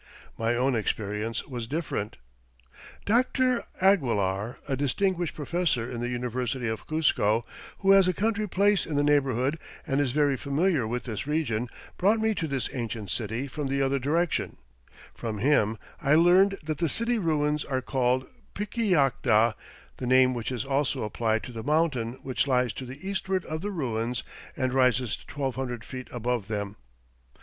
My own experience was different. FIGURE Lucre Basin, Lake Muyna, and the City Wall of Piquillacta Dr. Aguilar, a distinguished professor in the University of Cuzco, who has a country place in the neighborhood and is very familiar with this region, brought me to this ancient city from the other direction. From him I learned that the city ruins are called Piquillacta, the name which is also applied to the mountain which lies to the eastward of the ruins and rises 1200 feet above them.